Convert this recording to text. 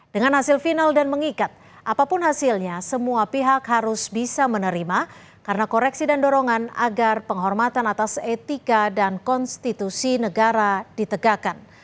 dengan hasil final dan mengikat apapun hasilnya semua pihak harus bisa menerima karena koreksi dan dorongan agar penghormatan atas etika dan konstitusi negara ditegakkan